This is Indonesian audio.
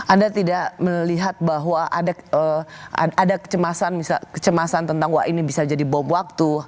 anda tidak melihat bahwa ada kecemasan tentang wah ini bisa jadi bom waktu